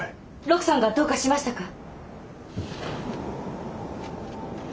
六さんがどうかしましたか！？